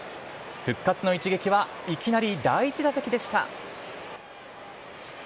復活の一撃はいきなり第１打席でした。